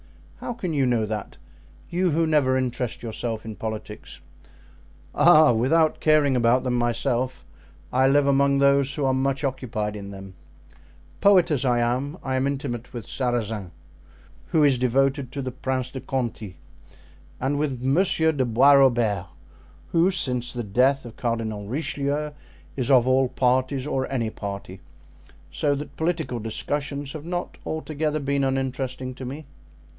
"How can you know that? You who never interest yourself in politics?" "Ah! without caring about them myself, I live among those who are much occupied in them. Poet as I am, I am intimate with Sarazin, who is devoted to the Prince de Conti, and with Monsieur de Bois Robert, who, since the death of Cardinal Richelieu, is of all parties or any party; so that political discussions have not altogether been uninteresting to me."